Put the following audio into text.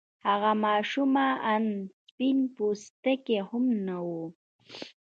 هغه ماشومه آن سپين پوستې هم نه وه.